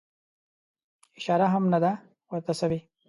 اشاره هم نه ده ورته سوې.